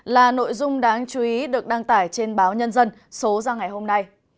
là nội dung đáng chú ý được đăng tải trên báo nhân dân số ra ngày hôm nay